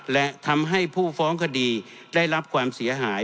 และทำให้ผู้ฟ้องคดีได้รับความเสียหาย